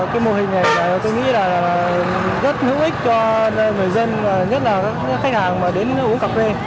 cái mô hình này tôi nghĩ là rất hữu ích cho người dân nhất là các khách hàng mà đến uống cà phê